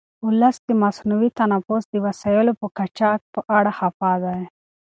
ولس د مصنوعي تنفس د وسایلو د قاچاق په اړه خفه دی.